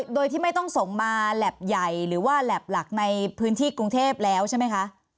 โดยที่ไม่ต้องส่งมาแล็บใหญ่หรือว่าแหลบหลักในพื้นที่กรุงเทพแล้วใช่ไหมคะ